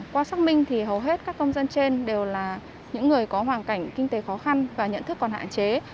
qua xác minh thì hầu hết các công dân trên đều là những người có hoàn cảnh kinh tế khó khăn và nhận thức còn hạn chế